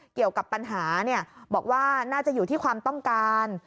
เกี่ยวกับปัญหาบอกว่าน่าจะอยู่ที่ความต้องการ